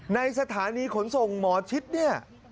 ในสถานีขนส่งหมอชิดเนี่ย